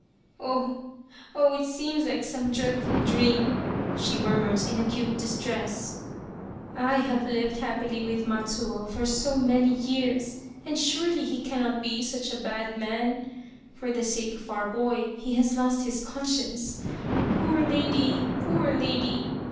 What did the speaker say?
" Oh, oh ! it seems like some dreadful dream," she murmured in acute distress. " I have lived happily with Matsuo for so many years, and surely he cannot be such a bad man. For the sake of our boy he has lost his conscience. Poor lady ! Poor lady